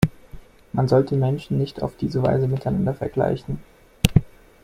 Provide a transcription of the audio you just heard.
Man sollte Menschen nicht auf diese Weise miteinander vergleichen.